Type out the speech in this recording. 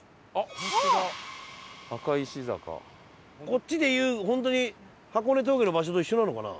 こっちでいう本当に箱根峠の場所と一緒なのかな？